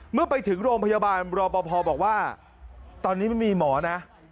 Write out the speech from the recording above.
เมื่อไปถึงโรงพยาบาลรอปภบอกว่าตอนนี้ไม่มีหมอนะ